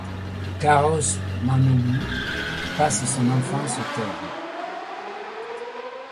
Karaosmanoğlu passe son enfance au Caire.